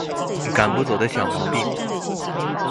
趕不走的小毛病